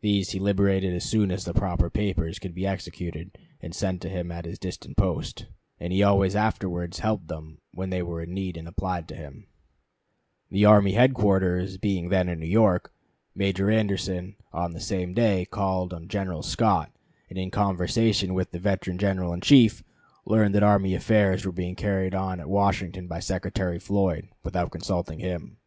These he liberated as soon as the proper papers could be executed and sent to him at his distant post; and he always afterwards helped them when they were in need and applied to him. F.J. Porter to Dawson. "Historical Magazine," January, 1872, pp. 37, 38. The army headquarters being then in New York, Major Anderson on the same day called on General Scott, and in conversation with the veteran General in Chief learned that army affairs were being carried on at Washington by Secretary Floyd, without consulting him.